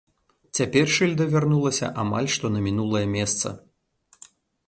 Цяпер шыльда вярнулася амаль што на мінулае месца.